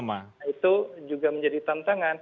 jadi itu juga menjadi tantangan